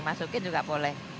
masukin juga boleh